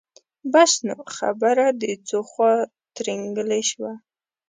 بس نو خبره د ځو خواته ترینګلې شوه.